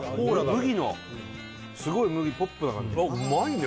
麦のすごい麦ホップな感じうまいね